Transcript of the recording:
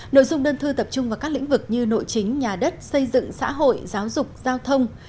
nội dung đơn thư tập trung vào các lĩnh vực như nội chính nhà đất xây dựng xã hội giáo dục giao thông